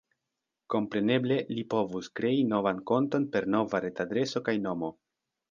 Kompreneble, li povus krei novan konton per nova retadreso kaj nomo.